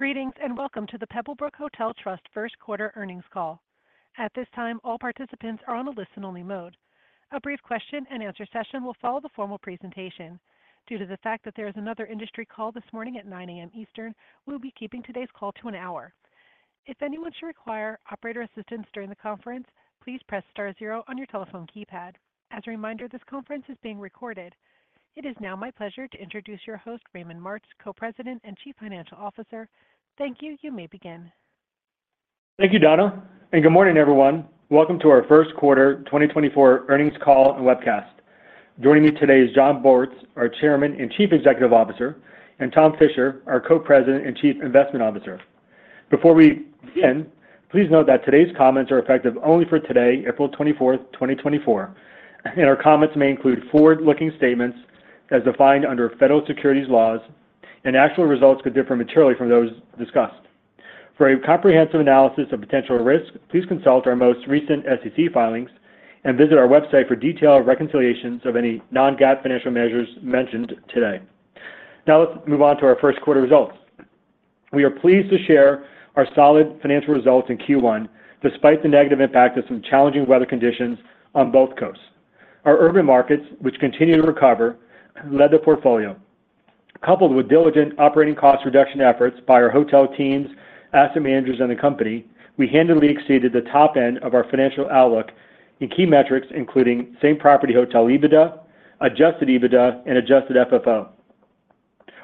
Greetings and welcome to the Pebblebrook Hotel Trust first quarter earnings call. At this time, all participants are on a listen-only mode. A brief question-and-answer session will follow the formal presentation. Due to the fact that there is another industry call this morning at 9:00 A.M. Eastern, we'll be keeping today's call to an hour. If anyone should require operator assistance during the conference, please press star zero on your telephone keypad. As a reminder, this conference is being recorded. It is now my pleasure to introduce your host, Raymond Martz, Co-President and Chief Financial Officer. Thank you. You may begin. Thank you, Donna. Good morning, everyone. Welcome to our first quarter 2024 earnings call and webcast. Joining me today is Jon Bortz, our Chairman and Chief Executive Officer, and Tom Fisher, our Co-President and Chief Investment Officer. Before we begin, please note that today's comments are effective only for today, April 24, 2024, and our comments may include forward-looking statements as defined under federal securities laws, and actual results could differ materially from those discussed. For a comprehensive analysis of potential risks, please consult our most recent SEC filings and visit our website for detailed reconciliations of any non-GAAP financial measures mentioned today. Now let's move on to our first quarter results. We are pleased to share our solid financial results in Q1 despite the negative impact of some challenging weather conditions on both coasts. Our urban markets, which continue to recover, led the portfolio. Coupled with diligent operating cost reduction efforts by our hotel teams, asset managers, and the company, we handily exceeded the top end of our financial outlook in key metrics including same property hotel EBITDA, adjusted EBITDA, and adjusted FFO.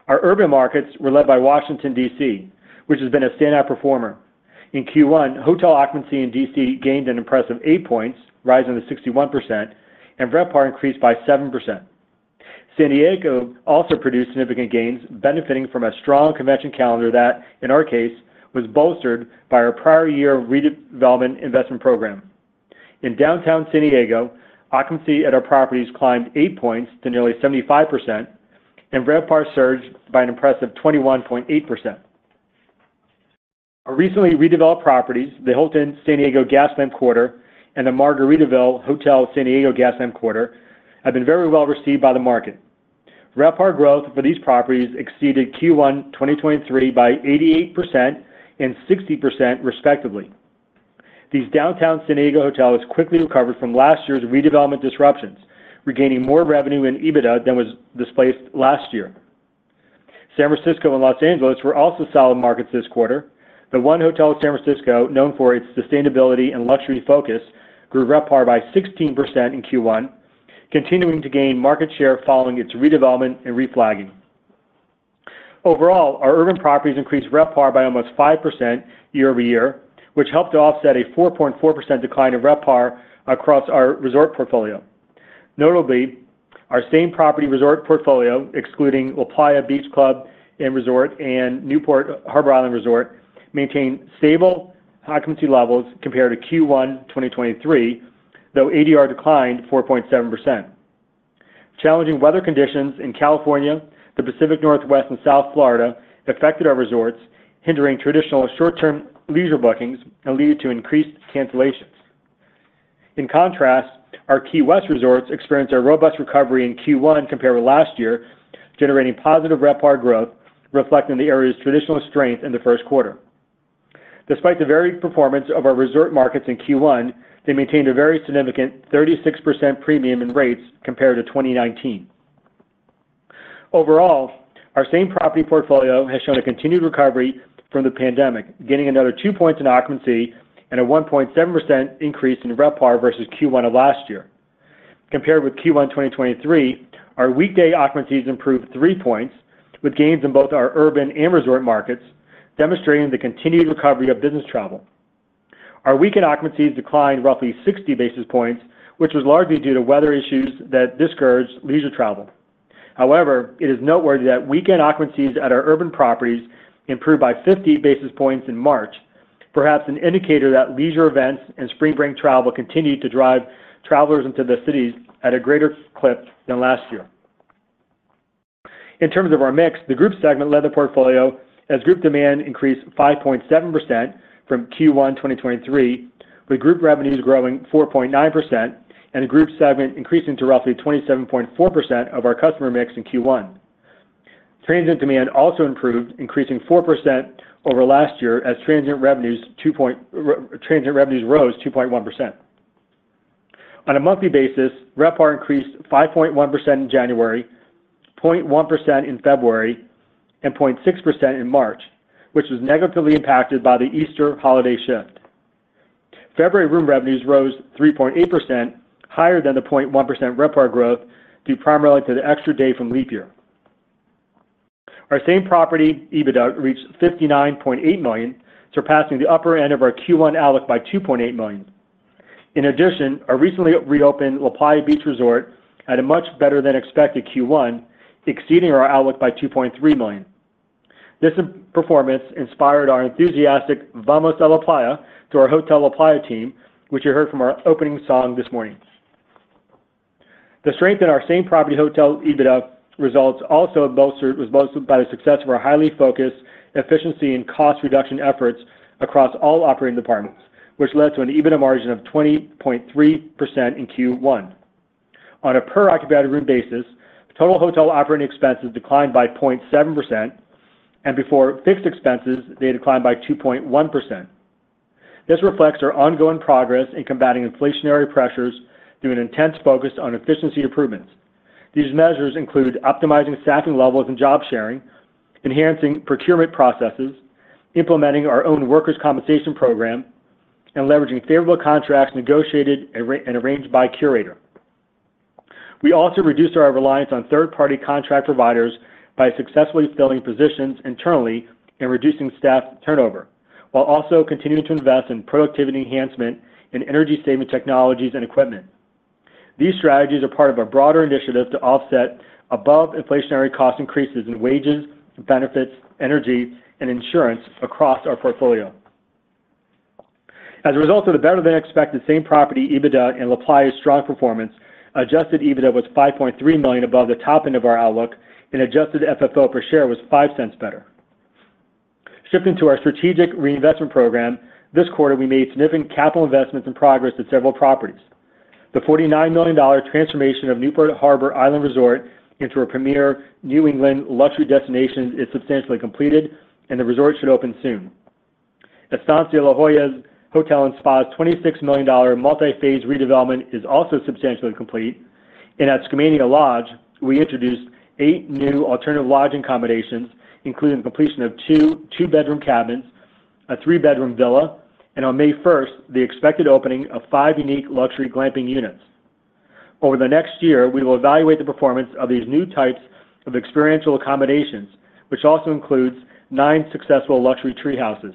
Our urban markets were led by Washington, D.C., which has been a standout performer. In Q1, hotel occupancy in D.C. gained an impressive eight points, rising to 61%, and RevPAR increased by 7%. San Diego also produced significant gains, benefiting from a strong convention calendar that, in our case, was bolstered by our prior year redevelopment investment program. In downtown San Diego, occupancy at our properties climbed eight points to nearly 75%, and RevPAR surged by an impressive 21.8%. Our recently redeveloped properties, the Hilton San Diego Gaslamp Quarter and the Margaritaville Hotel San Diego Gaslamp Quarter, have been very well received by the market. RevPAR growth for these properties exceeded Q1 2023 by 88% and 60%, respectively. These downtown San Diego hotels quickly recovered from last year's redevelopment disruptions, regaining more revenue in EBITDA than was displaced last year. San Francisco and Los Angeles were also solid markets this quarter. The 1 Hotel San Francisco, known for its sustainability and luxury focus, grew RevPAR by 16% in Q1, continuing to gain market share following its redevelopment and reflagging. Overall, our urban properties increased RevPAR by almost 5% year-over-year, which helped to offset a 4.4% decline in RevPAR across our resort portfolio. Notably, our same property resort portfolio, excluding LaPlaya Beach Resort and Newport Harbor Island Resort, maintained stable occupancy levels compared to Q1 2023, though ADR declined 4.7%. Challenging weather conditions in California, the Pacific Northwest, and South Florida affected our resorts, hindering traditional short-term leisure bookings and leading to increased cancellations. In contrast, our Key West resorts experienced a robust recovery in Q1 compared with last year, generating positive RevPAR growth, reflecting the area's traditional strength in the first quarter. Despite the varied performance of our resort markets in Q1, they maintained a very significant 36% premium in rates compared to 2019. Overall, our same property portfolio has shown a continued recovery from the pandemic, gaining another 2 points in occupancy and a 1.7% increase in RevPAR versus Q1 of last year. Compared with Q1 2023, our weekday occupancies improved 3 points, with gains in both our urban and resort markets, demonstrating the continued recovery of business travel. Our weekend occupancies declined roughly 60 basis points, which was largely due to weather issues that discouraged leisure travel. However, it is noteworthy that weekend occupancies at our urban properties improved by 50 basis points in March, perhaps an indicator that leisure events and spring break travel continue to drive travelers into the cities at a greater clip than last year. In terms of our mix, the group segment led the portfolio as group demand increased 5.7% from Q1 2023, with group revenues growing 4.9% and group segment increasing to roughly 27.4% of our customer mix in Q1. Transient demand also improved, increasing 4% over last year as transit revenues rose 2.1%. On a monthly basis, RevPAR increased 5.1% in January, 0.1% in February, and 0.6% in March, which was negatively impacted by the Easter holiday shift. February room revenues rose 3.8%, higher than the 0.1% RevPAR growth due primarily to the extra day from leap year. Our same property EBITDA reached $59.8 million, surpassing the upper end of our Q1 outlook by $2.8 million. In addition, our recently reopened LaPlaya Beach Resort had a much better-than-expected Q1, exceeding our outlook by $2.3 million. This performance inspired our enthusiastic Vamos a LaPlaya to our Hotel LaPlaya team, which you heard from our opening song this morning. The strength in our same property hotel EBITDA results also was bolstered by the success of our highly focused efficiency and cost reduction efforts across all operating departments, which led to an EBITDA margin of 20.3% in Q1. On a per-occupied room basis, total hotel operating expenses declined by 0.7%, and before fixed expenses, they declined by 2.1%. This reflects our ongoing progress in combating inflationary pressures through an intense focus on efficiency improvements. These measures include optimizing staffing levels and job sharing, enhancing procurement processes, implementing our own workers' compensation program, and leveraging favorable contracts negotiated and arranged by Curator. We also reduced our reliance on third-party contract providers by successfully filling positions internally and reducing staff turnover, while also continuing to invest in productivity enhancement and energy-saving technologies and equipment. These strategies are part of a broader initiative to offset above-inflationary cost increases in wages, benefits, energy, and insurance across our portfolio. As a result of the better-than-expected same property EBITDA and LaPlaya's strong performance, adjusted EBITDA was $5.3 million above the top end of our outlook, and adjusted FFO per share was $0.05 better. Shifting to our strategic reinvestment program, this quarter we made significant capital investments and progress at several properties. The $49 million transformation of Newport Harbor Island Resort into a premier New England luxury destination is substantially completed, and the resort should open soon. Estancia La Jolla Hotel & Spa's $26 million multi-phase redevelopment is also substantially complete, and at Skamania Lodge, we introduced eight new alternative lodging accommodations, including the completion of two two-bedroom cabins, a three-bedroom villa, and on May 1st, the expected opening of five unique luxury glamping units. Over the next year, we will evaluate the performance of these new types of experiential accommodations, which also includes nine successful luxury treehouses.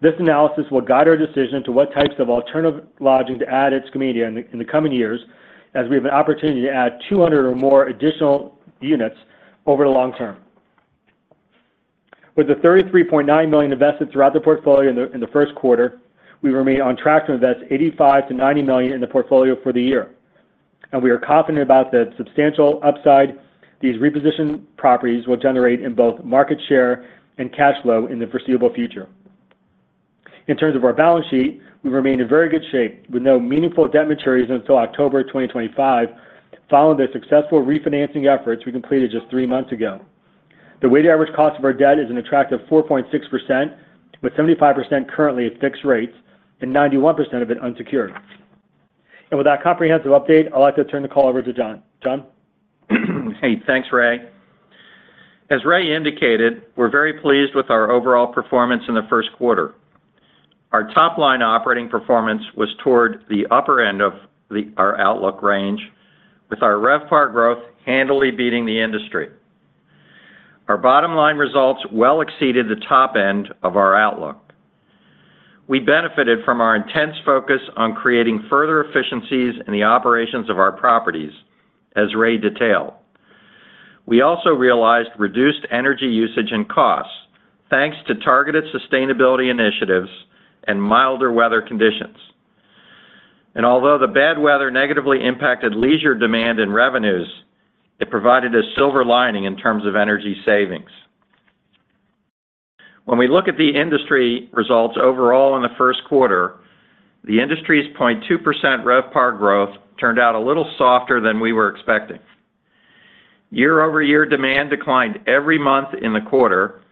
This analysis will guide our decision to what types of alternative lodging to add at Skamania in the coming years, as we have an opportunity to add 200 or more additional units over the long term. With the $33.9 million invested throughout the portfolio in the first quarter, we remain on track to invest $85 million-$90 million in the portfolio for the year, and we are confident about the substantial upside these repositioned properties will generate in both market share and cash flow in the foreseeable future. In terms of our balance sheet, we remain in very good shape, with no meaningful debt maturities until October 2025, following the successful refinancing efforts we completed just three months ago. The weighted average cost of our debt is an attractive 4.6%, with 75% currently at fixed rates and 91% of it unsecured. With that comprehensive update, I'll like to turn the call over to Jon. Jon? Hey. Thanks, Ray. As Ray indicated, we're very pleased with our overall performance in the first quarter. Our top-line operating performance was toward the upper end of our outlook range, with our RevPAR growth handily beating the industry. Our bottom-line results well exceeded the top end of our outlook. We benefited from our intense focus on creating further efficiencies in the operations of our properties, as Ray detailed. We also realized reduced energy usage and costs thanks to targeted sustainability initiatives and milder weather conditions. And although the bad weather negatively impacted leisure demand and revenues, it provided a silver lining in terms of energy savings. When we look at the industry results overall in the first quarter, the industry's 0.2% RevPAR growth turned out a little softer than we were expecting. Year-over-year demand declined every month in the quarter,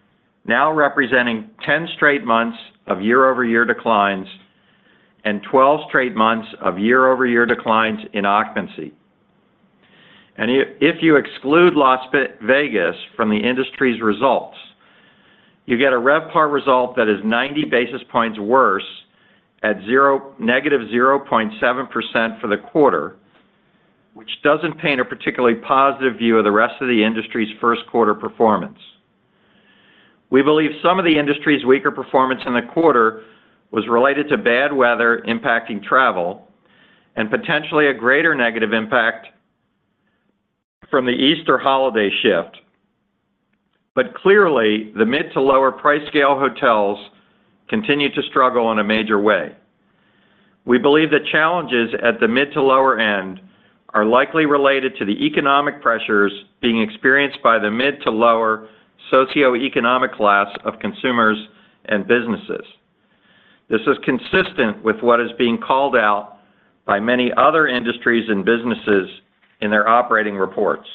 now representing 10 straight months of year-over-year declines and 12 straight months of year-over-year declines in occupancy. And if you exclude Las Vegas from the industry's results, you get a RevPAR result that is 90 basis points worse at -0.7% for the quarter, which doesn't paint a particularly positive view of the rest of the industry's first quarter performance. We believe some of the industry's weaker performance in the quarter was related to bad weather impacting travel and potentially a greater negative impact from the Easter holiday shift, but clearly, the mid to lower price scale hotels continue to struggle in a major way. We believe the challenges at the mid to lower end are likely related to the economic pressures being experienced by the mid to lower socioeconomic class of consumers and businesses. This is consistent with what is being called out by many other industries and businesses in their operating reports.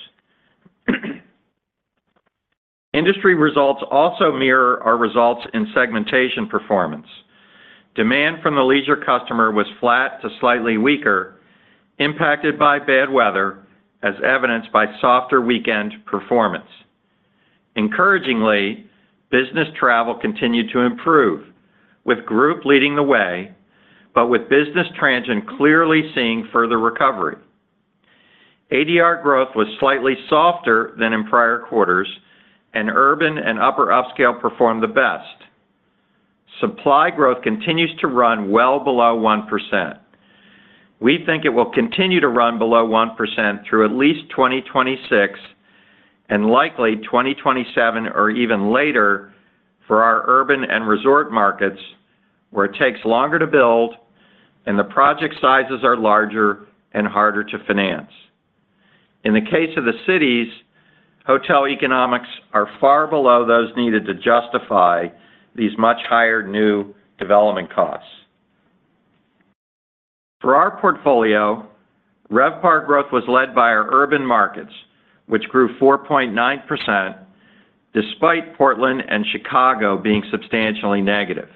Industry results also mirror our results in segmentation performance. Demand from the leisure customer was flat to slightly weaker, impacted by bad weather as evidenced by softer weekend performance. Encouragingly, business travel continued to improve, with group leading the way, but with business transient clearly seeing further recovery. ADR growth was slightly softer than in prior quarters, and urban and upper upscale performed the best. Supply growth continues to run well below 1%. We think it will continue to run below 1% through at least 2026 and likely 2027 or even later for our urban and resort markets, where it takes longer to build and the project sizes are larger and harder to finance. In the case of the cities, hotel economics are far below those needed to justify these much higher new development costs. For our portfolio, RevPAR growth was led by our urban markets, which grew 4.9% despite Portland and Chicago being substantially negative.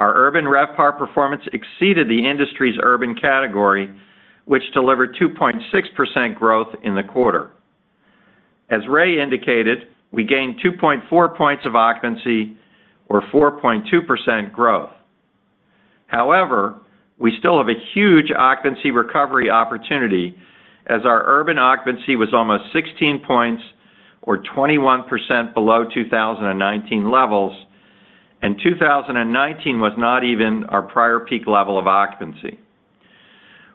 Our urban RevPAR performance exceeded the industry's urban category, which delivered 2.6% growth in the quarter. As Ray indicated, we gained 2.4 points of occupancy or 4.2% growth. However, we still have a huge occupancy recovery opportunity, as our urban occupancy was almost 16 points or 21% below 2019 levels, and 2019 was not even our prior peak level of occupancy.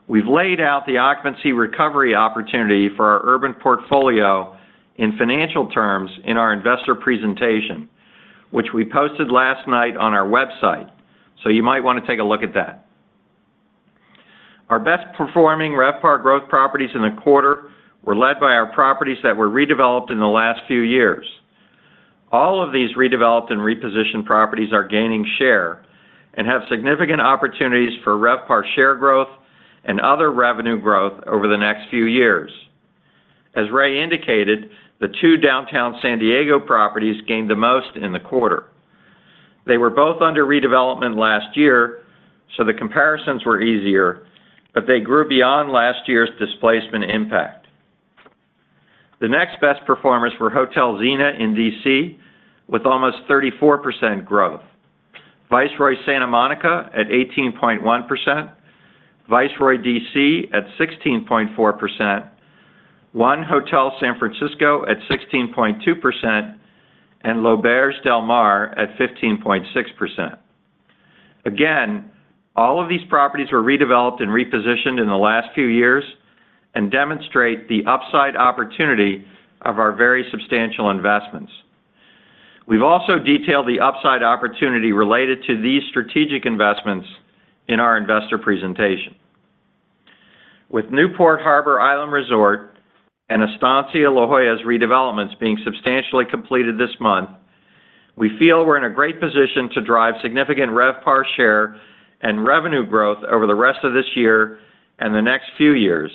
We've laid out the occupancy recovery opportunity for our urban portfolio in financial terms in our investor presentation, which we posted last night on our website, so you might want to take a look at that. Our best-performing RevPAR growth properties in the quarter were led by our properties that were redeveloped in the last few years. All of these redeveloped and repositioned properties are gaining share and have significant opportunities for RevPAR share growth and other revenue growth over the next few years. As Ray indicated, the two downtown San Diego properties gained the most in the quarter. They were both under redevelopment last year, so the comparisons were easier, but they grew beyond last year's displacement impact. The next best performers were Hotel Zena in D.C. with almost 34% growth, Viceroy Santa Monica at 18.1%, Viceroy D.C. at 16.4%, 1 Hotel San Francisco at 16.2%, and L'Auberge Del Mar at 15.6%. Again, all of these properties were redeveloped and repositioned in the last few years and demonstrate the upside opportunity of our very substantial investments. We've also detailed the upside opportunity related to these strategic investments in our investor presentation. With Newport Harbor Island Resort and Estancia La Jolla's redevelopments being substantially completed this month, we feel we're in a great position to drive significant RevPAR share and revenue growth over the rest of this year and the next few years,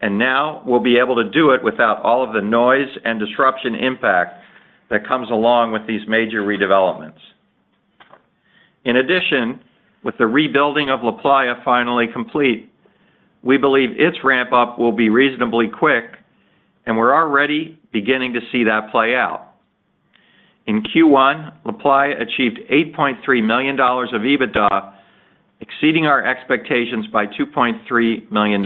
and now we'll be able to do it without all of the noise and disruption impact that comes along with these major redevelopments. In addition, with the rebuilding of LaPlaya finally complete, we believe its ramp-up will be reasonably quick, and we're already beginning to see that play out. In Q1, LaPlaya achieved $8.3 million of EBITDA, exceeding our expectations by $2.3 million.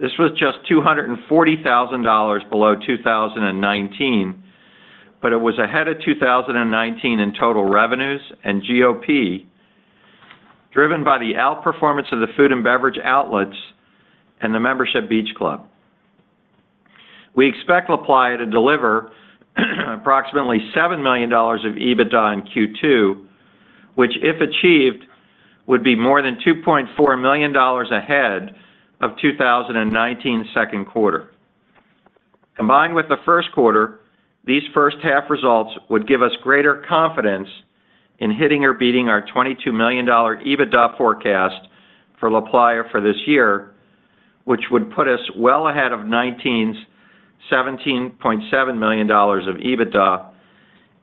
This was just $240,000 below 2019, but it was ahead of 2019 in total revenues and GOP, driven by the outperformance of the food and beverage outlets and the membership beach club. We expect LaPlaya to deliver approximately $7 million of EBITDA in Q2, which, if achieved, would be more than $2.4 million ahead of 2019 second quarter. Combined with the first quarter, these first-half results would give us greater confidence in hitting or beating our $22 million EBITDA forecast for LaPlaya for this year, which would put us well ahead of 2019's $17.7 million of EBITDA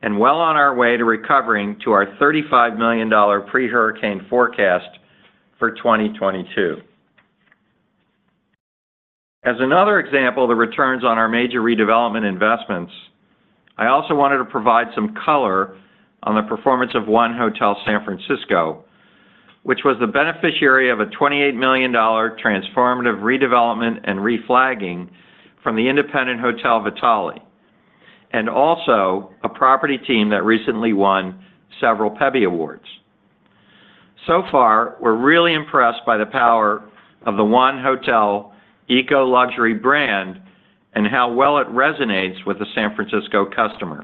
and well on our way to recovering to our $35 million pre-hurricane forecast for 2022. As another example, the returns on our major redevelopment investments, I also wanted to provide some color on the performance of 1 Hotel San Francisco, which was the beneficiary of a $28 million transformative redevelopment and reflagging from the independent Hotel Vitale, and also a property team that recently won several Pebby Awards. So far, we're really impressed by the power of the 1 Hotel eco-luxury brand and how well it resonates with the San Francisco customer.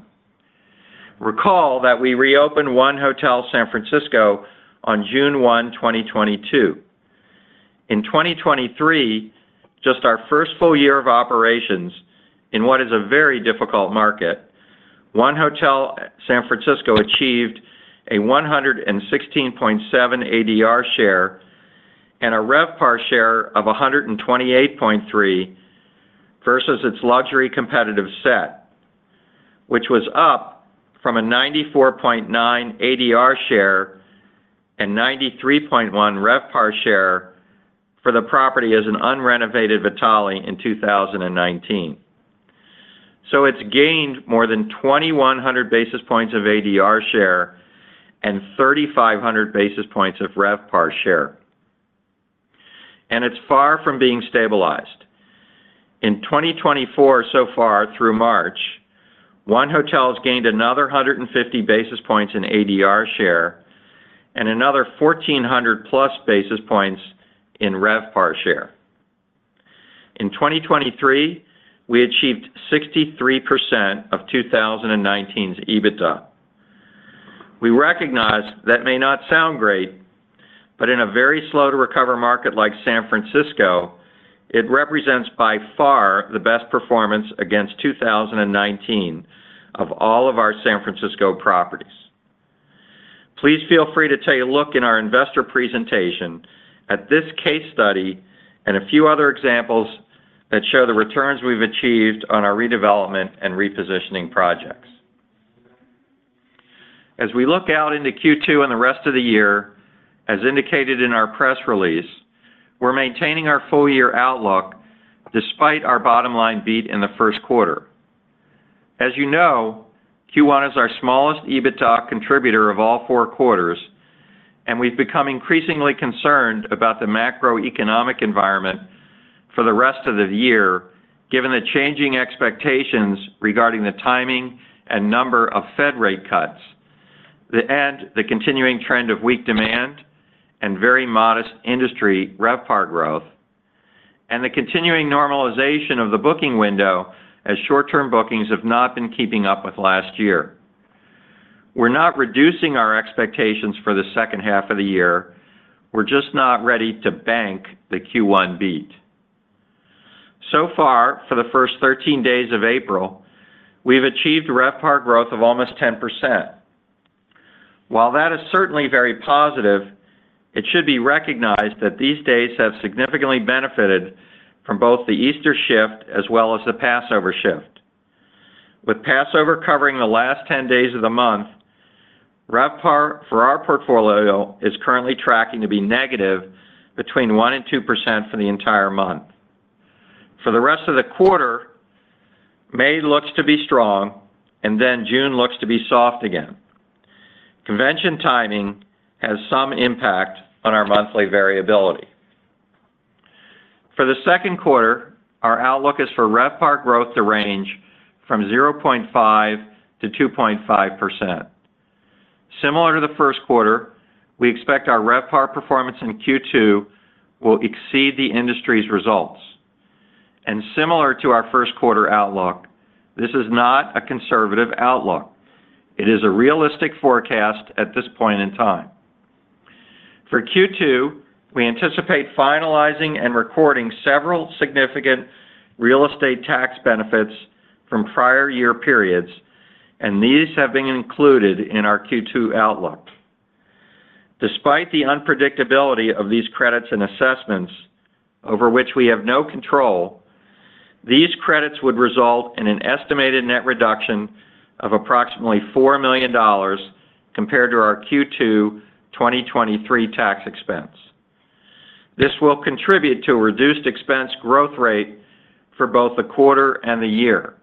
Recall that we reopened 1 Hotel San Francisco on June 1, 2022. In 2023, just our first full year of operations in what is a very difficult market, 1 Hotel San Francisco achieved a 116.7 ADR share and a RevPAR share of 128.3 versus its luxury competitive set, which was up from a 94.9 ADR share and 93.1 RevPAR share for the property as an unrenovated Vitale in 2019. So it's gained more than 2,100 basis points of ADR share and 3,500 basis points of RevPAR share, and it's far from being stabilized. In 2024 so far, through March, 1 Hotel's gained another 150 basis points in ADR share and another 1,400+ basis points in RevPAR share. In 2023, we achieved 63% of 2019's EBITDA. We recognize that may not sound great, but in a very slow-to-recover market like San Francisco, it represents by far the best performance against 2019 of all of our San Francisco properties. Please feel free to take a look in our investor presentation at this case study and a few other examples that show the returns we've achieved on our redevelopment and repositioning projects. As we look out into Q2 and the rest of the year, as indicated in our press release, we're maintaining our full-year outlook despite our bottom-line beat in the first quarter. As you know, Q1 is our smallest EBITDA contributor of all four quarters, and we've become increasingly concerned about the macroeconomic environment for the rest of the year given the changing expectations regarding the timing and number of Fed rate cuts and the continuing trend of weak demand and very modest industry RevPAR growth and the continuing normalization of the booking window as short-term bookings have not been keeping up with last year. We're not reducing our expectations for the second half of the year. We're just not ready to bank the Q1 beat. So far, for the first 13 days of April, we've achieved RevPAR growth of almost 10%. While that is certainly very positive, it should be recognized that these days have significantly benefited from both the Easter shift as well as the Passover shift. With Passover covering the last 10 days of the month, RevPAR, for our portfolio, is currently tracking to be negative between 1% and 2% for the entire month. For the rest of the quarter, May looks to be strong, and then June looks to be soft again. Convention timing has some impact on our monthly variability. For the second quarter, our outlook is for RevPAR growth to range from 0.5%-2.5%. Similar to the first quarter, we expect our RevPAR performance in Q2 will exceed the industry's results. And similar to our first quarter outlook, this is not a conservative outlook. It is a realistic forecast at this point in time. For Q2, we anticipate finalizing and recording several significant real estate tax benefits from prior year periods, and these have been included in our Q2 outlook. Despite the unpredictability of these credits and assessments over which we have no control, these credits would result in an estimated net reduction of approximately $4 million compared to our Q2 2023 tax expense. This will contribute to a reduced expense growth rate for both the quarter and the year.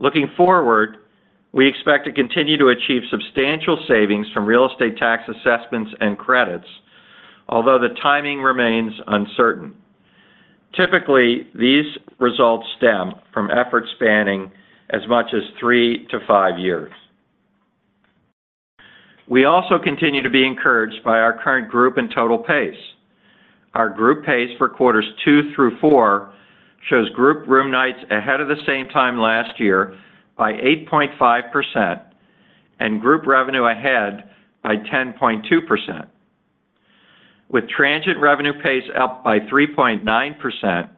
Looking forward, we expect to continue to achieve substantial savings from real estate tax assessments and credits, although the timing remains uncertain. Typically, these results stem from efforts spanning as much as three to five years. We also continue to be encouraged by our current group and total pace. Our group pace for quarters two through four shows group room nights ahead of the same time last year by 8.5% and group revenue ahead by 10.2%. With transient revenue pace up by 3.9%,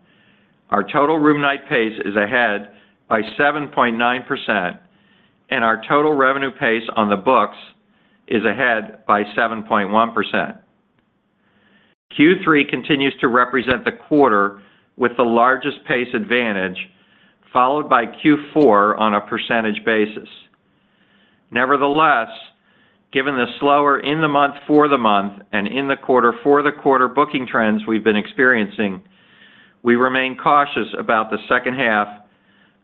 our total room night pace is ahead by 7.9%, and our total revenue pace on the books is ahead by 7.1%. Q3 continues to represent the quarter with the largest pace advantage, followed by Q4 on a percentage basis. Nevertheless, given the slower in-the-month-for-the-month and in-the-quarter-for-the-quarter booking trends we've been experiencing, we remain cautious about the second half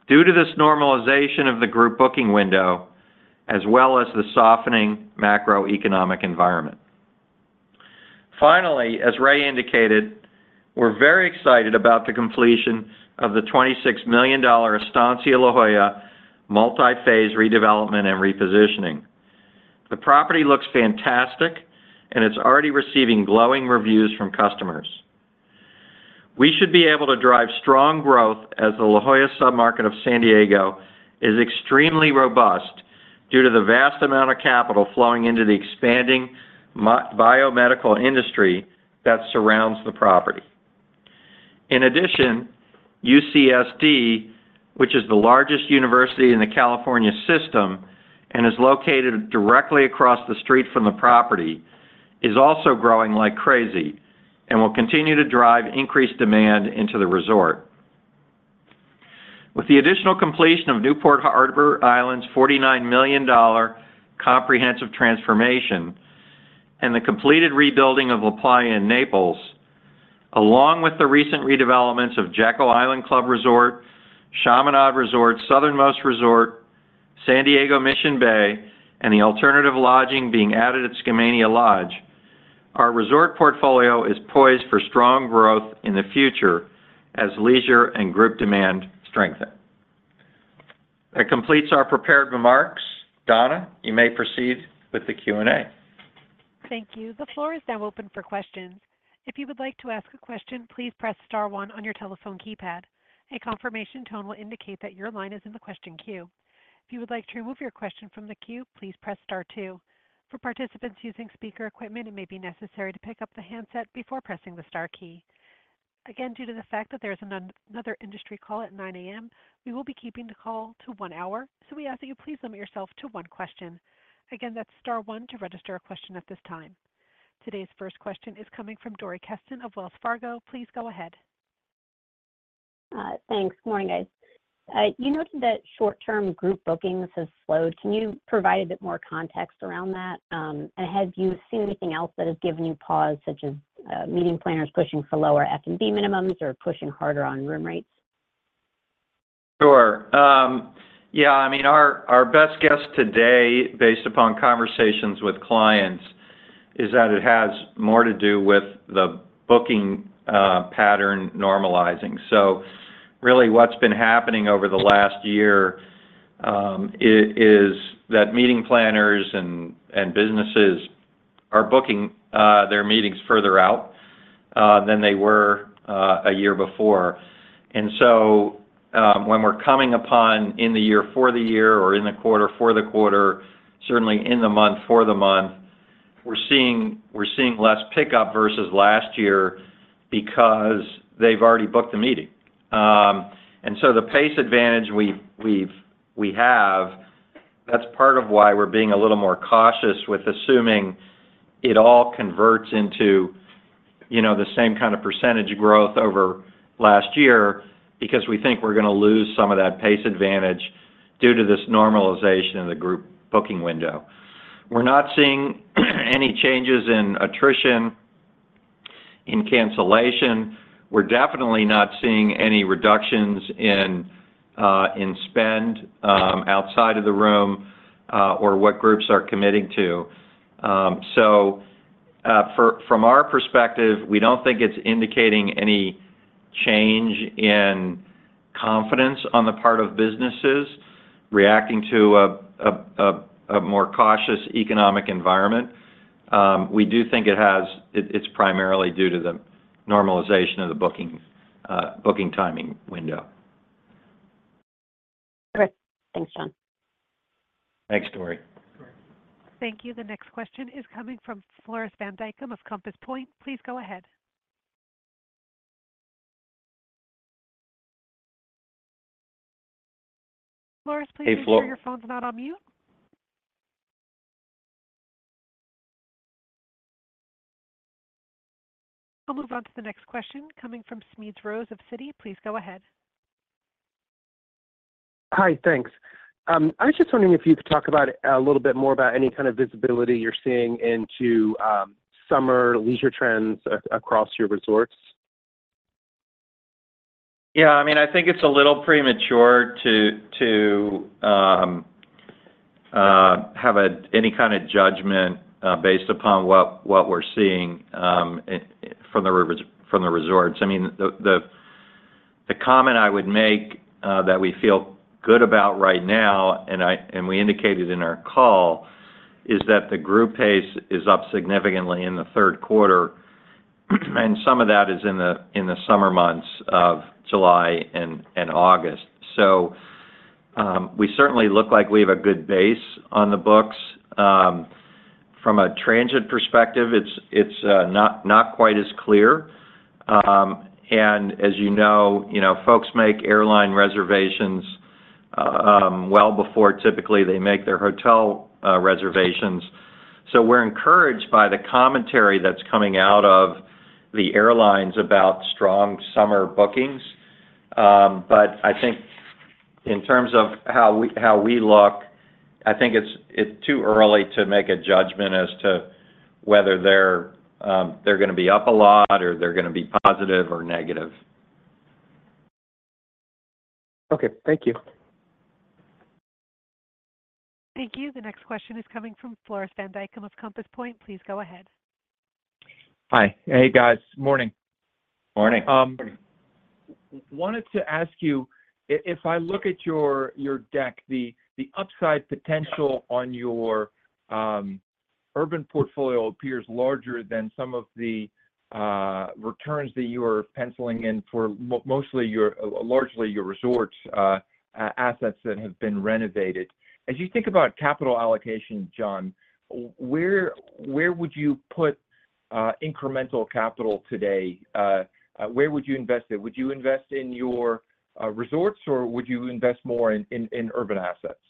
due to this normalization of the group booking window as well as the softening macroeconomic environment. Finally, as Ray indicated, we're very excited about the completion of the $26 million Estancia La Jolla multi-phase redevelopment and repositioning. The property looks fantastic, and it's already receiving glowing reviews from customers. We should be able to drive strong growth as the La Jolla submarket of San Diego is extremely robust due to the vast amount of capital flowing into the expanding biomedical industry that surrounds the property. In addition, UCSD, which is the largest university in the California system and is located directly across the street from the property, is also growing like crazy and will continue to drive increased demand into the resort. With the additional completion of Newport Harbor Island's $49 million comprehensive transformation and the completed rebuilding of LaPlaya in Naples, along with the recent redevelopments of Jekyll Island Club Resort, Chaminade Resort, Southernmost Resort, San Diego Mission Bay, and the alternative lodging being added at Skamania Lodge, our resort portfolio is poised for strong growth in the future as leisure and group demand strengthen. That completes our prepared remarks. Donna, you may proceed with the Q&A. Thank you. The floor is now open for questions. If you would like to ask a question, please press star one on your telephone keypad. A confirmation tone will indicate that your line is in the question queue. If you would like to remove your question from the queue, please press star two. For participants using speaker equipment, it may be necessary to pick up the handset before pressing the star key. Again, due to the fact that there is another industry call at 9:00 A.M., we will be keeping the call to one hour, so we ask that you please limit yourself to one question. Again, that's star one to register a question at this time. Today's first question is coming from Dori Kesten of Wells Fargo. Please go ahead. Thanks. Morning, guys. You noted that short-term group bookings have slowed. Can you provide a bit more context around that? And have you seen anything else that has given you pause, such as meeting planners pushing for lower F&B minimums or pushing harder on room rates? Sure. Yeah. I mean, our best guess today, based upon conversations with clients, is that it has more to do with the booking pattern normalizing. So really, what's been happening over the last year is that meeting planners and businesses are booking their meetings further out than they were a year before. And so when we're coming upon in the year for the year or in the quarter for the quarter, certainly in the month for the month, we're seeing less pickup versus last year because they've already booked a meeting. And so the pace advantage we have, that's part of why we're being a little more cautious with assuming it all converts into the same kind of percentage growth over last year because we think we're going to lose some of that pace advantage due to this normalization of the group booking window. We're not seeing any changes in attrition, in cancellation. We're definitely not seeing any reductions in spend outside of the room or what groups are committing to. So from our perspective, we don't think it's indicating any change in confidence on the part of businesses reacting to a more cautious economic environment. We do think it's primarily due to the normalization of the booking timing window. Okay. Thanks, Jon. Thanks, Dori. Thank you. The next question is coming from Floris van Dijkum of Compass Point. Please go ahead. Floris, please make sure your phone's not on mute. I'll move on to the next question coming from Smedes Rose of Citi. Please go ahead. Hi. Thanks. I was just wondering if you could talk a little bit more about any kind of visibility you're seeing into summer leisure trends across your resorts? Yeah. I mean, I think it's a little premature to have any kind of judgment based upon what we're seeing from the resorts. I mean, the comment I would make that we feel good about right now, and we indicated in our call, is that the group pace is up significantly in the third quarter, and some of that is in the summer months of July and August. So we certainly look like we have a good base on the books. From a transient perspective, it's not quite as clear. And as you know, folks make airline reservations well before typically they make their hotel reservations. So we're encouraged by the commentary that's coming out of the airlines about strong summer bookings. I think in terms of how we look, I think it's too early to make a judgment as to whether they're going to be up a lot or they're going to be positive or negative. Okay. Thank you. Thank you. The next question is coming from Floris van Dijkum of Compass Point. Please go ahead. Hi. Hey, guys. Morning. Morning. Morning. Wanted to ask you, if I look at your deck, the upside potential on your urban portfolio appears larger than some of the returns that you are penciling in for largely your resorts assets that have been renovated. As you think about capital allocation, Jon, where would you put incremental capital today? Where would you invest it? Would you invest in your resorts, or would you invest more in urban assets?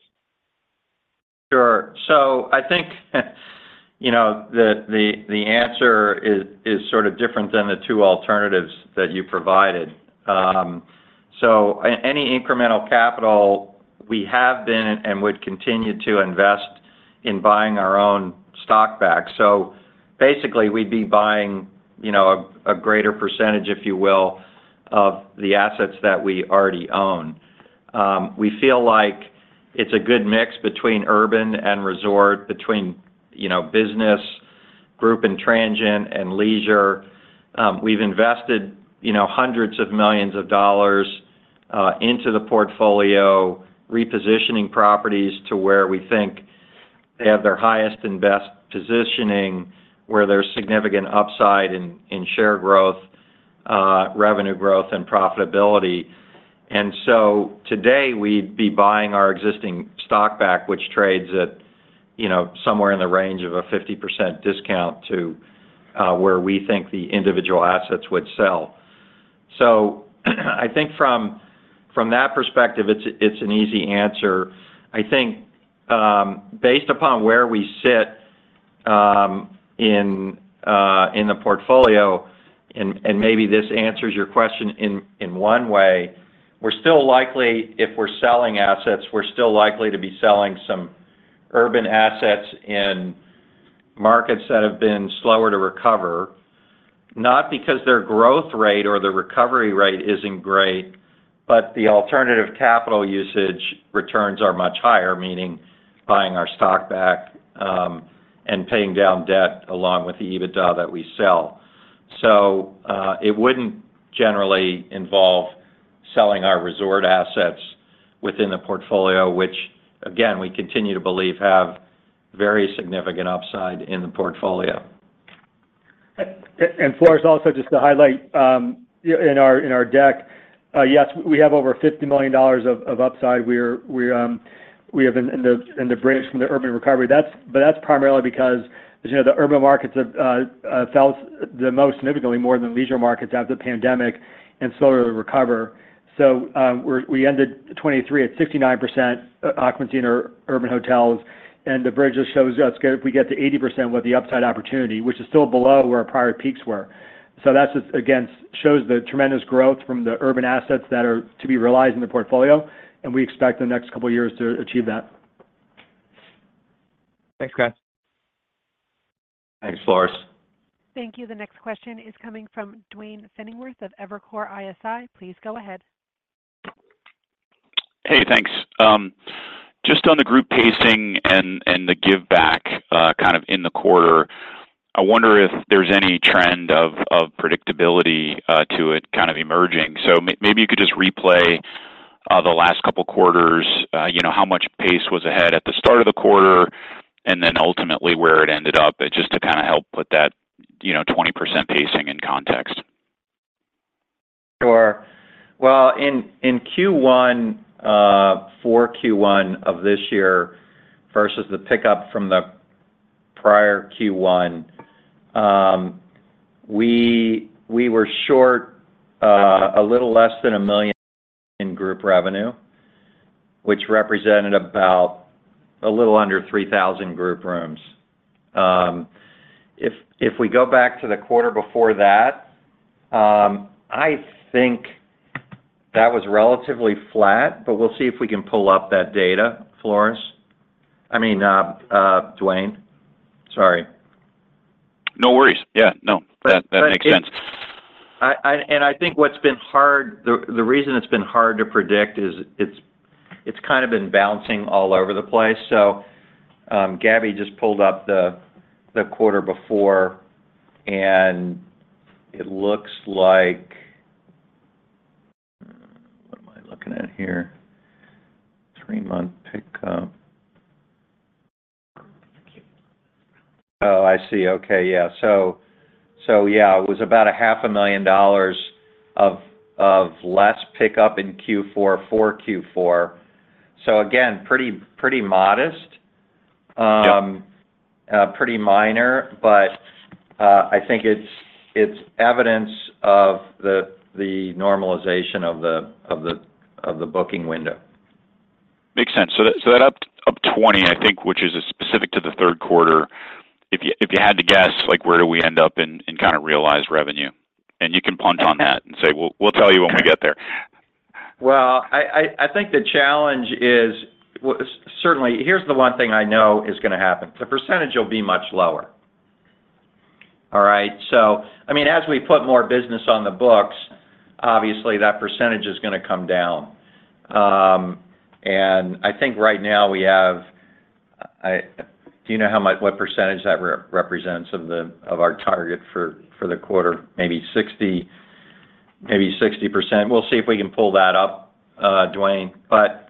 Sure. So I think the answer is sort of different than the two alternatives that you provided. So any incremental capital, we have been and would continue to invest in buying our own stock back. So basically, we'd be buying a greater percentage, if you will, of the assets that we already own. We feel like it's a good mix between urban and resort, between business, group and transient, and leisure. We've invested hundreds of millions of dollars into the portfolio, repositioning properties to where we think they have their highest and best positioning, where there's significant upside in share growth, revenue growth, and profitability. And so today, we'd be buying our existing stock back, which trades at somewhere in the range of a 50% discount to where we think the individual assets would sell. So I think from that perspective, it's an easy answer. I think based upon where we sit in the portfolio, and maybe this answers your question in one way, if we're selling assets, we're still likely to be selling some urban assets in markets that have been slower to recover, not because their growth rate or their recovery rate isn't great, but the alternative capital usage returns are much higher, meaning buying our stock back and paying down debt along with the EBITDA that we sell. So it wouldn't generally involve selling our resort assets within the portfolio, which, again, we continue to believe have very significant upside in the portfolio. Floris, also just to highlight in our deck, yes, we have over $50 million of upside. We have in the bridge from the urban recovery. That's primarily because the urban markets have fell the most significantly, more than leisure markets, after the pandemic and slowly recover. So we ended 2023 at 69% occupancy in our urban hotels, and the bridge just shows us if we get to 80%, what the upside opportunity, which is still below where our prior peaks were. So that, again, shows the tremendous growth from the urban assets that are to be realized in the portfolio, and we expect the next couple of years to achieve that. Thanks, Jon, Thanks, Floris. Thank you. The next question is coming from Duane Pfennigwerth of Evercore ISI. Please go ahead. Hey. Thanks. Just on the group pacing and the give-back kind of in the quarter, I wonder if there's any trend of predictability to it kind of emerging. So maybe you could just replay the last couple of quarters, how much pace was ahead at the start of the quarter, and then ultimately where it ended up, just to kind of help put that 20% pacing in context. Sure. Well, in Q1, for Q1 of this year versus the pickup from the prior Q1, we were short a little less than $1 million in group revenue, which represented about a little under 3,000 group rooms. If we go back to the quarter before that, I think that was relatively flat, but we'll see if we can pull up that data, Floris. I mean, Duane. Sorry. No worries. Yeah. No. That makes sense. I think what's been hard, the reason it's been hard to predict is it's kind of been bouncing all over the place. So Gabby just pulled up the quarter before, and it looks like what am I looking at here? Three-month pickup. Oh, I see. Okay. Yeah. So yeah, it was about $500,000 of less pickup in Q4 for Q4. So again, pretty modest, pretty minor, but I think it's evidence of the normalization of the booking window. Makes sense. So that up 20%, I think, which is specific to the third quarter, if you had to guess, where do we end up in kind of realized revenue? And you can punt on that and say, "We'll tell you when we get there. Well, I think the challenge is certainly, here's the one thing I know is going to happen. The percentage will be much lower. All right? So I mean, as we put more business on the books, obviously, that percentage is going to come down. And I think right now we have do you know what percentage that represents of our target for the quarter? Maybe 60%. We'll see if we can pull that up, Duane. But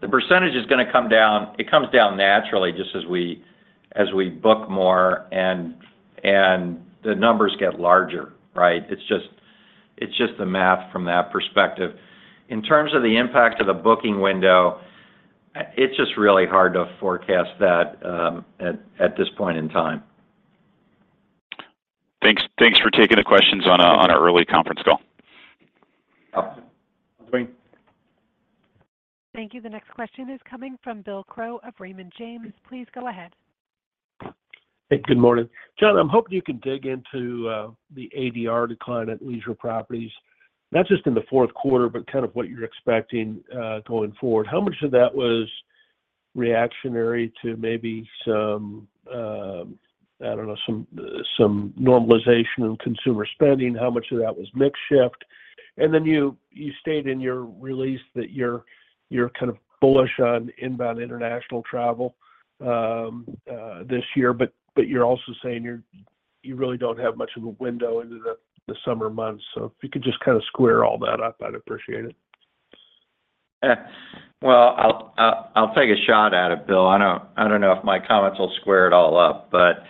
the percentage is going to come down. It comes down naturally just as we book more, and the numbers get larger, right? It's just the math from that perspective. In terms of the impact of the booking window, it's just really hard to forecast that at this point in time. Thanks for taking the questions on our early conference call. Thank you. The next question is coming from Bill Crow of Raymond James. Please go ahead. Hey. Good morning. Jon, I'm hoping you can dig into the ADR decline at leisure properties, not just in the fourth quarter, but kind of what you're expecting going forward. How much of that was reactionary to maybe some, I don't know, some normalization in consumer spending? How much of that was mixed shift? And then you state in your release that you're kind of bullish on inbound international travel this year, but you're also saying you really don't have much of a window into the summer months. So if you could just kind of square all that up, I'd appreciate it. Well, I'll take a shot at it, Bill. I don't know if my comments will square it all up, but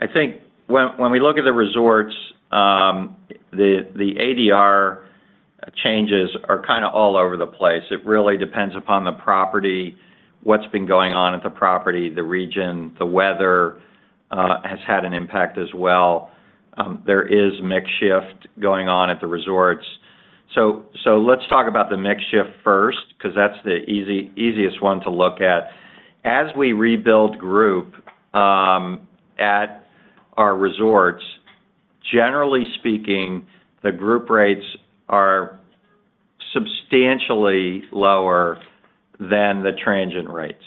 I think when we look at the resorts, the ADR changes are kind of all over the place. It really depends upon the property, what's been going on at the property, the region, the weather has had an impact as well. There is mixed shift going on at the resorts. So let's talk about the mixed shift first because that's the easiest one to look at. As we rebuild group at our resorts, generally speaking, the group rates are substantially lower than the transient rates.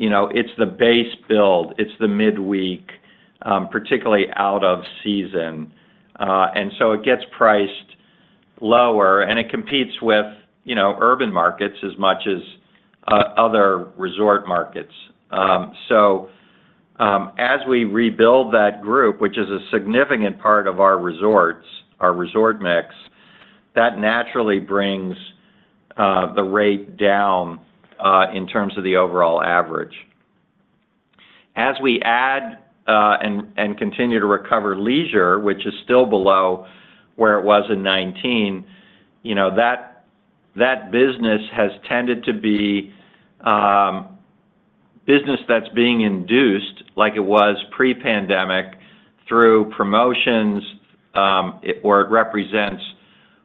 It's the base build. It's the midweek, particularly out of season. And so it gets priced lower, and it competes with urban markets as much as other resort markets. So as we rebuild that group, which is a significant part of our resort mix, that naturally brings the rate down in terms of the overall average. As we add and continue to recover leisure, which is still below where it was in 2019, that business has tended to be business that's being induced like it was pre-pandemic through promotions, where it represents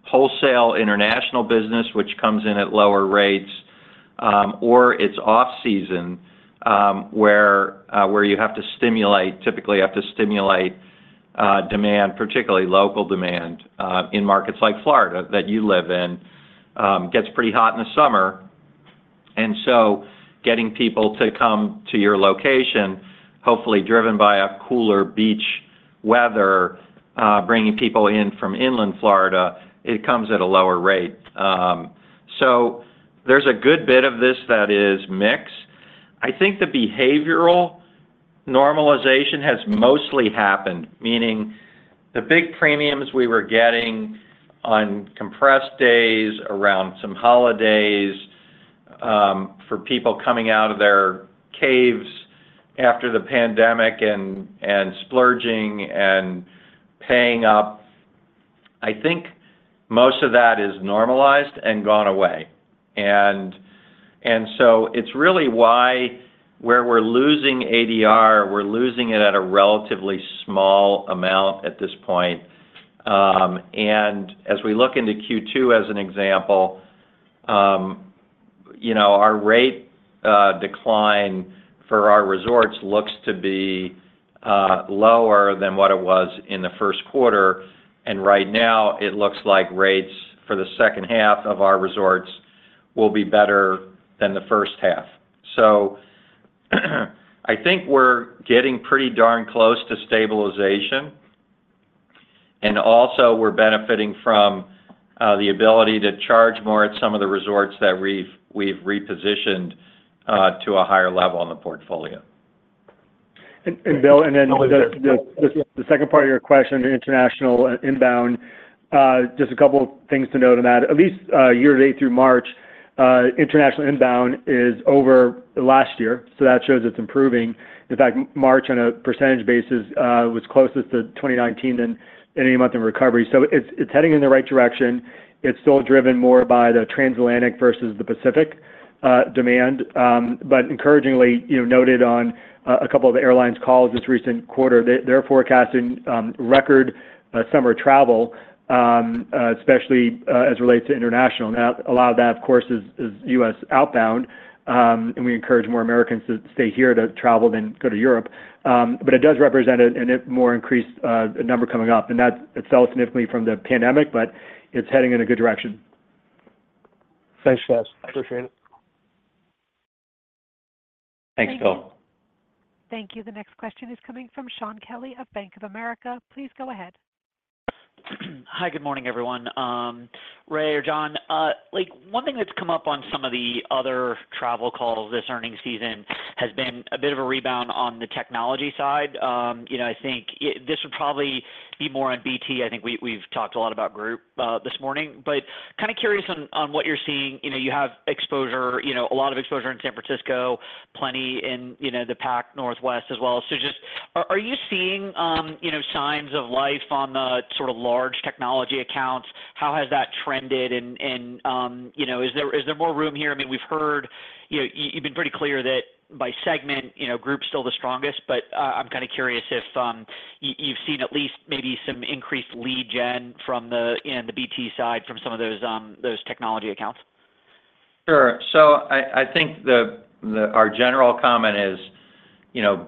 wholesale international business, which comes in at lower rates, or it's off-season where you have to stimulate, typically have to stimulate demand, particularly local demand in markets like Florida that you live in, gets pretty hot in the summer. And so getting people to come to your location, hopefully driven by a cooler beach weather, bringing people in from inland Florida, it comes at a lower rate. So there's a good bit of this that is mix. I think the behavioral normalization has mostly happened, meaning the big premiums we were getting on compressed days, around some holidays for people coming out of their caves after the pandemic and splurging and paying up. I think most of that is normalized and gone away. So it's really where we're losing ADR. We're losing it at a relatively small amount at this point. And as we look into Q2 as an example, our rate decline for our resorts looks to be lower than what it was in the first quarter. And right now, it looks like rates for the second half of our resorts will be better than the first half. So I think we're getting pretty darn close to stabilization. And also, we're benefiting from the ability to charge more at some of the resorts that we've repositioned to a higher level in the portfolio. And Bill, and then the second part of your question, international inbound, just a couple of things to note on that. At least year to date through March, international inbound is over last year. So that shows it's improving. In fact, March, on a percentage basis, was closest to 2019 than any month in recovery. So it's heading in the right direction. It's still driven more by the transatlantic versus the Pacific demand. But encouragingly, noted on a couple of the airlines' calls this recent quarter, they're forecasting record summer travel, especially as it relates to international. Now, a lot of that, of course, is U.S. outbound, and we encourage more Americans to stay here to travel than go to Europe. But it does represent a more increased number coming up. And that fell significantly from the pandemic, but it's heading in a good direction. Thanks, Jon. I appreciate it. Thanks, Bill. Thank you. The next question is coming from Shaun Kelley of Bank of America. Please go ahead. Hi. Good morning, everyone. Ray or Jon, one thing that's come up on some of the other travel calls this earnings season has been a bit of a rebound on the technology side. I think this would probably be more on BT. I think we've talked a lot about group this morning, but kind of curious on what you're seeing. You have a lot of exposure in San Francisco, plenty in the PAC Northwest as well. So just are you seeing signs of life on the sort of large technology accounts? How has that trended? And is there more room here? I mean, we've heard you've been pretty clear that by segment, group's still the strongest, but I'm kind of curious if you've seen at least maybe some increased lead gen on the BT side from some of those technology accounts. Sure. So I think our general comment is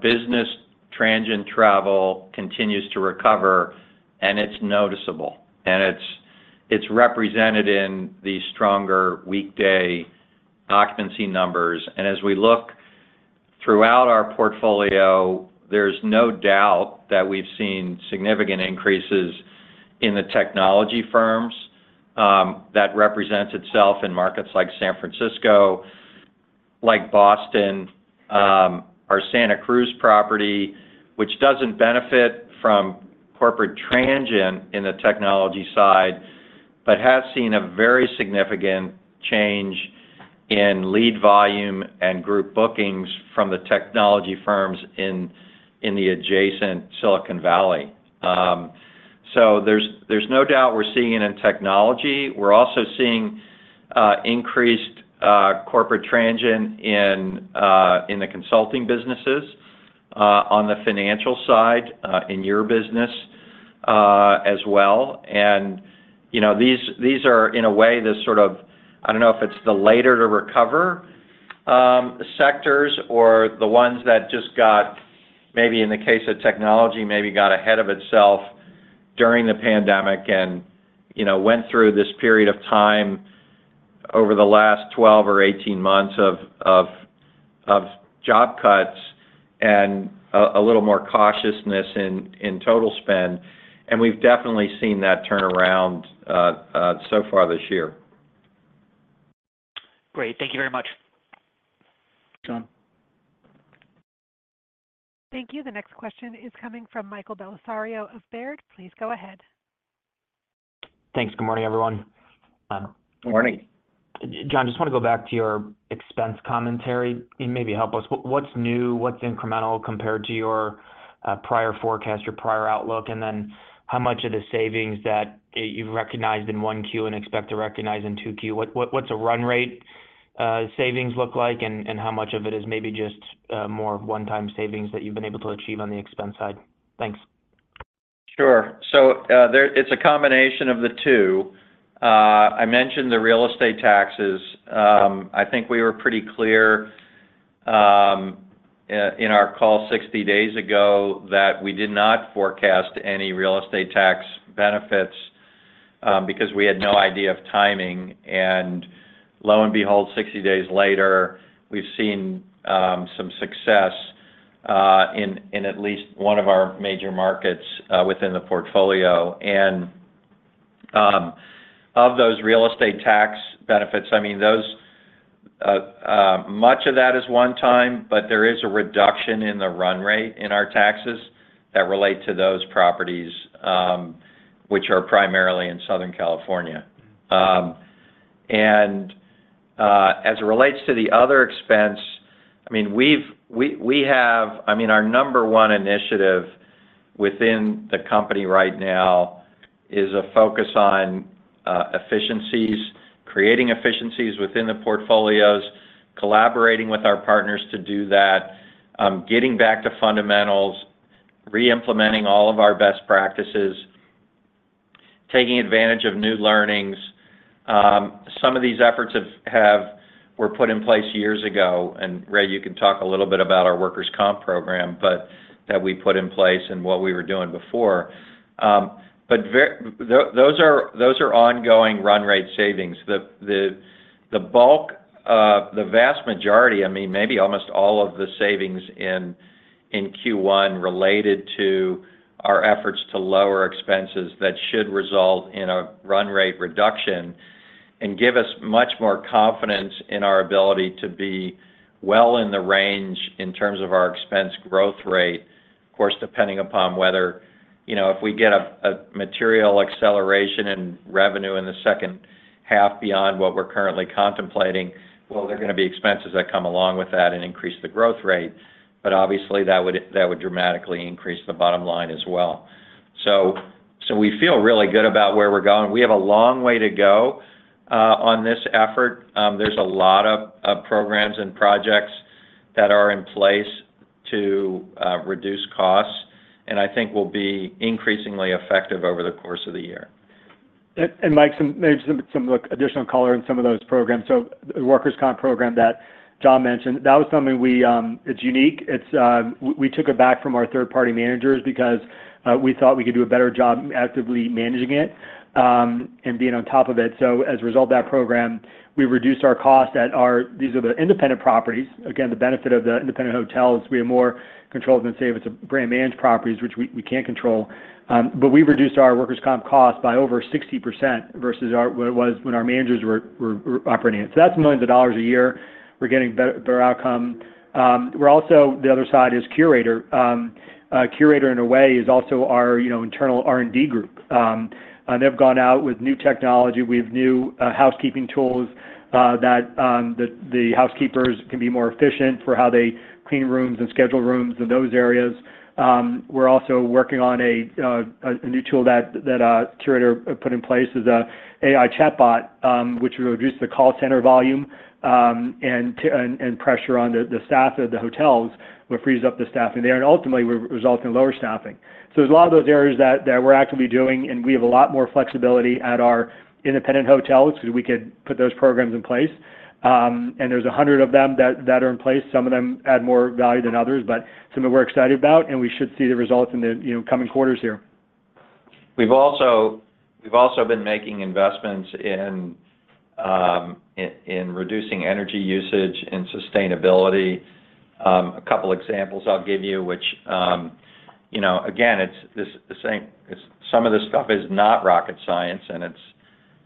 business transient travel continues to recover, and it's noticeable. As we look throughout our portfolio, there's no doubt that we've seen significant increases in the technology firms. That represents itself in markets like San Francisco, like Boston, our Santa Cruz property, which doesn't benefit from corporate transient in the technology side but has seen a very significant change in lead volume and group bookings from the technology firms in the adjacent Silicon Valley. So there's no doubt we're seeing it in technology. We're also seeing increased corporate transient in the consulting businesses on the financial side in your business as well. And these are, in a way, the sort of—I don't know if it's the later-to-recover sectors or the ones that just got, maybe in the case of technology, maybe got ahead of itself during the pandemic and went through this period of time over the last 12 or 18 months of job cuts and a little more cautiousness in total spend. And we've definitely seen that turn around so far this year. Great. Thank you very much. Jon. Thank you. The next question is coming from Michael Bellisario of Baird. Please go ahead. Thanks. Good morning, everyone. Good morning. Jon, just want to go back to your expense commentary and maybe help us. What's new? What's incremental compared to your prior forecast, your prior outlook? And then how much of the savings that you've recognized in 1Q and expect to recognize in 2Q? What's a run rate savings look like, and how much of it is maybe just more of one-time savings that you've been able to achieve on the expense side? Thanks. Sure. It's a combination of the two. I mentioned the real estate taxes. I think we were pretty clear in our call 60 days ago that we did not forecast any real estate tax benefits because we had no idea of timing. Lo and behold, 60 days later, we've seen some success in at least one of our major markets within the portfolio. Of those real estate tax benefits, I mean, much of that is one-time, but there is a reduction in the run rate in our taxes that relate to those properties, which are primarily in Southern California. As it relates to the other expense, I mean, we have I mean, our number one initiative within the company right now is a focus on efficiencies, creating efficiencies within the portfolios, collaborating with our partners to do that, getting back to fundamentals, reimplementing all of our best practices, taking advantage of new learnings. Some of these efforts were put in place years ago. Ray, you can talk a little bit about our workers' comp program that we put in place and what we were doing before. But those are ongoing run rate savings. The bulk, the vast majority, I mean, maybe almost all of the savings in Q1 related to our efforts to lower expenses that should result in a run rate reduction and give us much more confidence in our ability to be well in the range in terms of our expense growth rate, of course, depending upon whether if we get a material acceleration in revenue in the second half beyond what we're currently contemplating, well, there are going to be expenses that come along with that and increase the growth rate. But obviously, that would dramatically increase the bottom line as well. So we feel really good about where we're going. We have a long way to go on this effort. There's a lot of programs and projects that are in place to reduce costs and I think will be increasingly effective over the course of the year. And Mike, some additional color in some of those programs. So the workers' comp program that Jon mentioned, that was something we it's unique. We took it back from our third-party managers because we thought we could do a better job actively managing it and being on top of it. So as a result of that program, we reduced our cost at our these are the independent properties. Again, the benefit of the independent hotel is we have more control than say if it's a brand-managed property, which we can't control. But we reduced our workers' comp cost by over 60% versus what it was when our managers were operating it. So that's millions dollars a year. We're getting a better outcome. The other side is Curator. Curator, in a way, is also our internal R&D group. They've gone out with new technology. We have new housekeeping tools that the housekeepers can be more efficient for how they clean rooms and schedule rooms in those areas. We're also working on a new tool that a Curator put in place is an AI chatbot, which reduced the call center volume and pressure on the staff at the hotels. We free up the staffing there, and ultimately, we result in lower staffing. So there's a lot of those areas that we're actively doing, and we have a lot more flexibility at our independent hotels because we could put those programs in place. And there's 100 of them that are in place. Some of them add more value than others, but some that we're excited about, and we should see the results in the coming quarters here. We've also been making investments in reducing energy usage and sustainability. A couple of examples I'll give you, which again, it's the same some of this stuff is not rocket science, and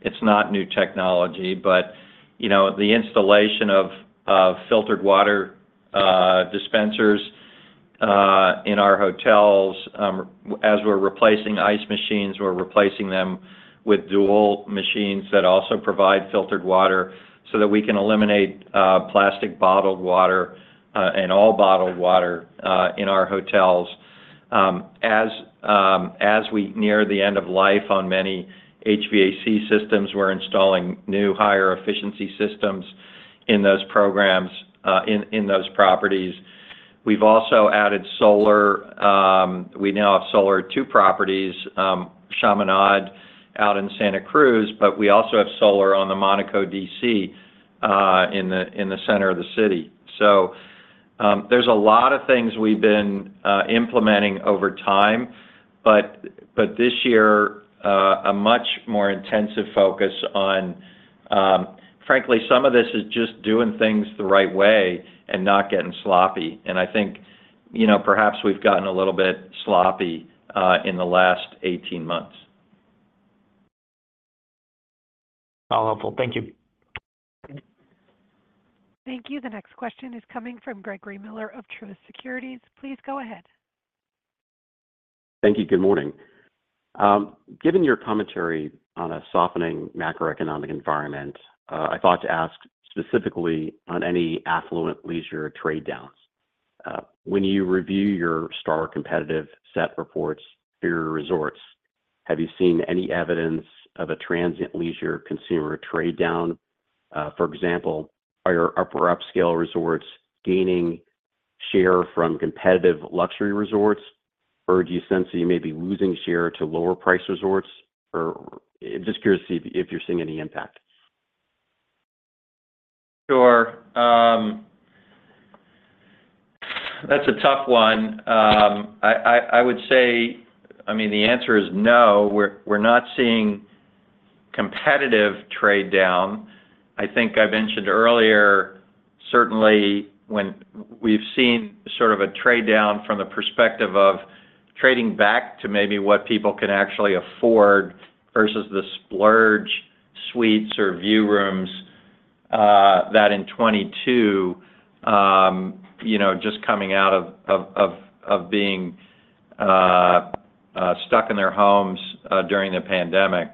it's not new technology. But the installation of filtered water dispensers in our hotels, as we're replacing ice machines, we're replacing them with dual machines that also provide filtered water so that we can eliminate plastic bottled water and all bottled water in our hotels. As we near the end of life on many HVAC systems, we're installing new higher-efficiency systems in those programs in those properties. We've also added solar. We now have solar at two properties, Chaminade out in Santa Cruz, but we also have solar on the Monaco, D.C., in the center of the city. There's a lot of things we've been implementing over time, but this year, a much more intensive focus on frankly, some of this is just doing things the right way and not getting sloppy. I think perhaps we've gotten a little bit sloppy in the last 18 months. How helpful. Thank you. Thank you. The next question is coming from Greg Miller of Truist Securities. Please go ahead. Thank you. Good morning. Given your commentary on a softening macroeconomic environment, I thought to ask specifically on any affluent leisure trade-downs. When you review your STAR competitive set reports, superior resorts, have you seen any evidence of a transient leisure consumer trade-down? For example, are your upper-upscale resorts gaining share from competitive luxury resorts, or do you sense that you may be losing share to lower-priced resorts? Or just curious if you're seeing any impact. Sure. That's a tough one. I would say, I mean, the answer is no. We're not seeing competitive trade-down. I think I mentioned earlier, certainly, when we've seen sort of a trade-down from the perspective of trading back to maybe what people can actually afford versus the splurge suites or view rooms that in 2022, just coming out of being stuck in their homes during the pandemic.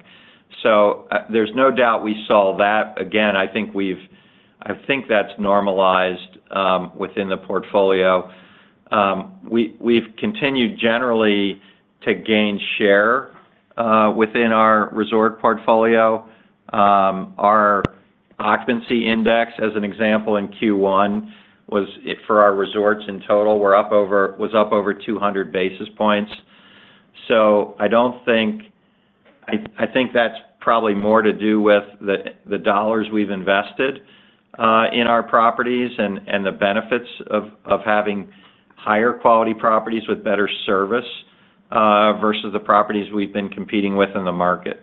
So there's no doubt we saw that. Again, I think that's normalized within the portfolio. We've continued, generally, to gain share within our resort portfolio. Our occupancy index, as an example, in Q1 was for our resorts in total, was up over 200 basis points. So I don't think that's probably more to do with the dollars we've invested in our properties and the benefits of having higher-quality properties with better service versus the properties we've been competing with in the market.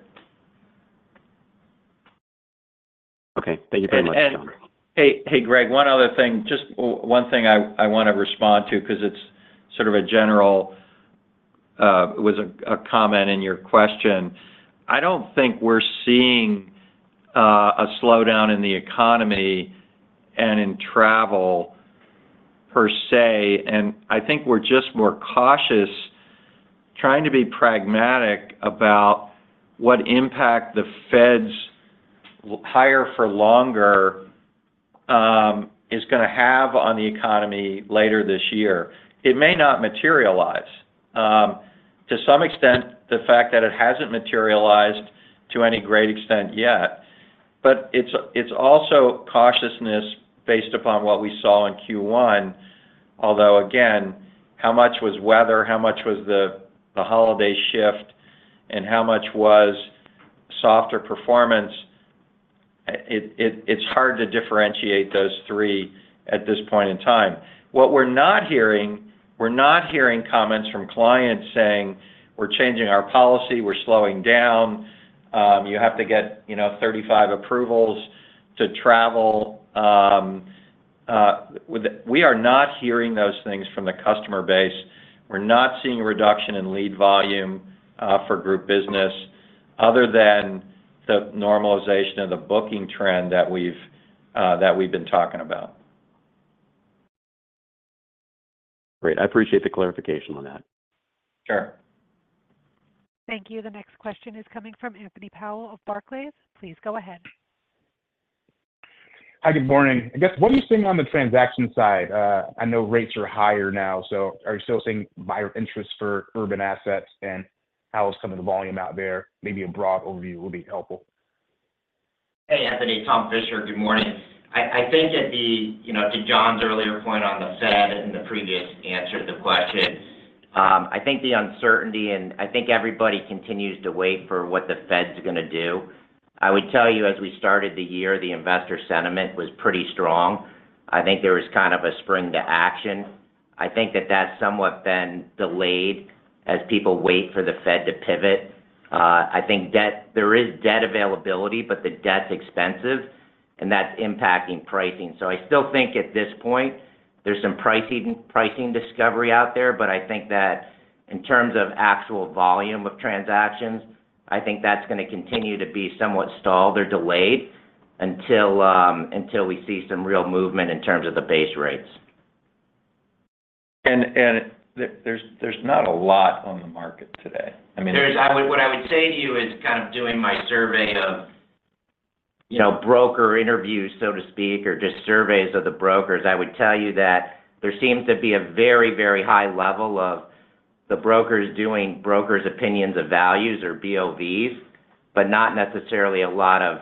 Okay. Thank you very much, Jon. Hey, Greg, one other thing. Just one thing I want to respond to because it's sort of a general. It was a comment in your question. I don't think we're seeing a slowdown in the economy and in travel, per se. And I think we're just more cautious, trying to be pragmatic about what impact the Fed's higher for longer is going to have on the economy later this year. It may not materialize. To some extent, the fact that it hasn't materialized to any great extent yet. But it's also cautiousness based upon what we saw in Q1, although again, how much was weather, how much was the holiday shift, and how much was softer performance? It's hard to differentiate those three at this point in time. What we're not hearing, we're not hearing comments from clients saying, "We're changing our policy. We're slowing down. You have to get 35 approvals to travel." We are not hearing those things from the customer base. We're not seeing a reduction in lead volume for group business other than the normalization of the booking trend that we've been talking about. Great. I appreciate the clarification on that. Sure. Thank you. The next question is coming from Anthony Powell of Barclays. Please go ahead. Hi. Good morning. I guess, what are you seeing on the transaction side? I know rates are higher now. So are you still seeing higher interest for urban assets, and how is kind of the volume out there? Maybe a broad overview would be helpful. Hey, Anthony. Tom Fisher. Good morning. I think to Jon's earlier point on the Fed and the previous answer to the question, I think the uncertainty and I think everybody continues to wait for what the Fed's going to do. I would tell you, as we started the year, the investor sentiment was pretty strong. I think there was kind of a spring to action. I think that that's somewhat been delayed as people wait for the Fed to pivot. I think there is debt availability, but the debt's expensive, and that's impacting pricing. So I still think at this point, there's some pricing discovery out there, but I think that in terms of actual volume of transactions, I think that's going to continue to be somewhat stalled or delayed until we see some real movement in terms of the base rates. There's not a lot on the market today. I mean. What I would say to you is kind of doing my survey of broker interviews, so to speak, or just surveys of the brokers. I would tell you that there seems to be a very, very high level of the brokers doing brokers' opinions of values or BOVs, but not necessarily a lot of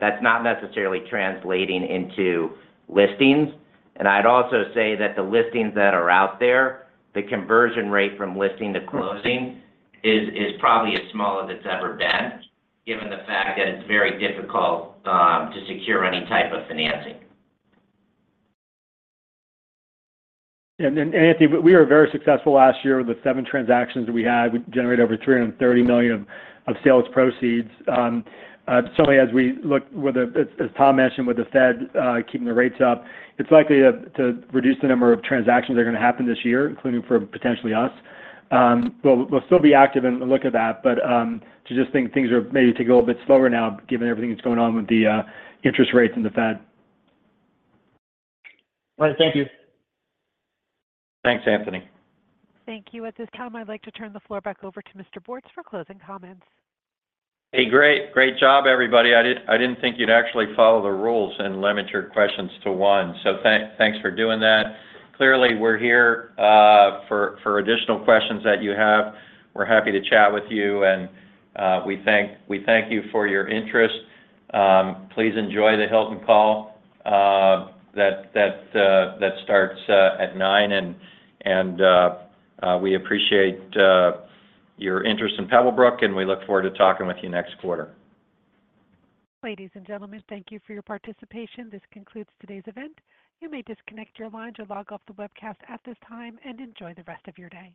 that's not necessarily translating into listings. And I'd also say that the listings that are out there, the conversion rate from listing to closing is probably as small as it's ever been given the fact that it's very difficult to secure any type of financing. Anthony, we were very successful last year with the seven transactions that we had. We generated over $330 million of sales proceeds. Certainly, as we look, as Tom mentioned, with the Fed keeping the rates up, it's likely to reduce the number of transactions that are going to happen this year, including for potentially us. We'll still be active and look at that, but to just think things are maybe taking a little bit slower now given everything that's going on with the interest rates and the Fed. All right. Thank you. Thanks, Anthony. Thank you. At this time, I'd like to turn the floor back over to Mr. Bortz for closing comments. Hey, great. Great job, everybody. I didn't think you'd actually follow the rules and limit your questions to one. So thanks for doing that. Clearly, we're here for additional questions that you have. We're happy to chat with you, and we thank you for your interest. Please enjoy the Hilton call that starts at 9:00 A.M., and we appreciate your interest in Pebblebrook, and we look forward to talking with you next quarter. Ladies and gentlemen, thank you for your participation. This concludes today's event. You may disconnect your lines or log off the webcast at this time and enjoy the rest of your day.